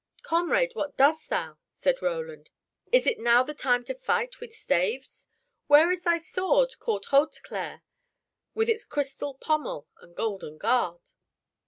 "Comrade, what dost thou?" said Roland. "Is it now the time to fight with staves? Where is thy sword called Hauteclere with its crystal pommel and golden guard?"